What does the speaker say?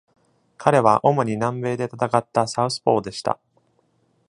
彼は主に南米で戦ったサウスポーでした。